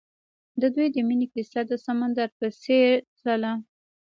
د دوی د مینې کیسه د سمندر په څېر تلله.